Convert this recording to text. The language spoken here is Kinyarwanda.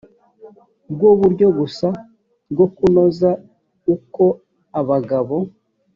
bwo buryo gusa bwo kunoza uko abagabo